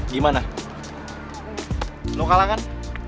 gimana lo kalah kan